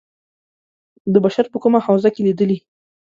د بشر په کومه حوزه کې لېدلي.